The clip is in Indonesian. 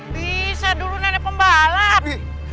bisa dulu nenek pembalap